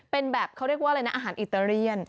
เป็นแบบเขาเรียกว่าอะไรนะอาหารอิตาเลียน